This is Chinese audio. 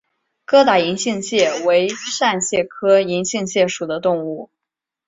疙瘩银杏蟹为扇蟹科银杏蟹属的动物。